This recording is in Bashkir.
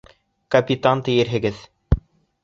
Капитан, тиерһегеҙ...